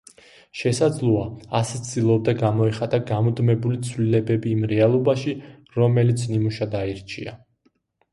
შესაძლოა, ასე ცდილობდა გამოეხატა გამუდმებული ცვლილებები იმ რეალობაში, რომელიც ნიმუშად აირჩია.